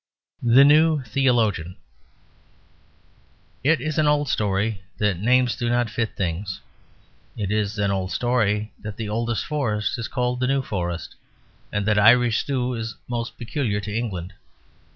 THE NEW THEOLOGIAN It is an old story that names do not fit things; it is an old story that the oldest forest is called the New Forest, and that Irish stew is almost peculiar to England.